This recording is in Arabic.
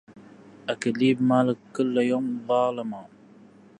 أكليب مالك كل يوم ظالما